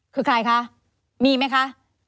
คือใครคะมีไหมคะ